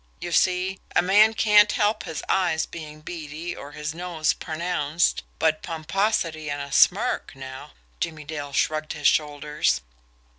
You see, a man can't help his eyes being beady or his nose pronounced, but pomposity and a smirk, now " Jimmie Dale shrugged his shoulders.